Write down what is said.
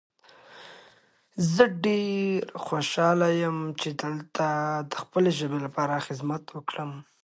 واک د امانت حیثیت لري